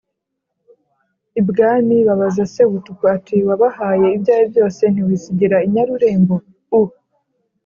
Ibwami babaza Sebutuku bati: “Wabahaye ibyawe byose ntiwisigira inyarurembo?” U